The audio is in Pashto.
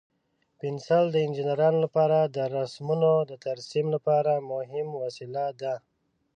پنسل د انجینرانو لپاره د رسمونو د ترسیم لپاره مهم وسیله ده.